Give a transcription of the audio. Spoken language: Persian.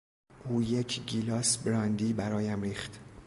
او یک گیلاس براندی برایم ریخت.